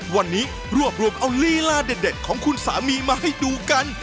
วันนี้รวบรวมเอาลีลาเด็ดของคุณสามีมาให้ดูกัน